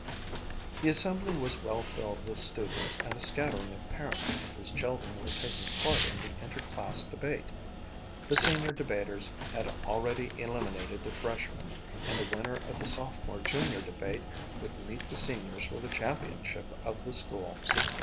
The assembly was well filled with students and a scattering of parents whose children were taking part in the inter class debate. The senior debaters had already eliminated the freshmen and the winner of the sophomore junior debate would meet the seniors for the championship of the school.